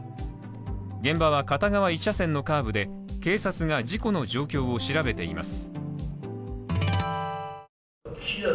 現場は片側１車線のカーブで警察が事故の状況を調べています。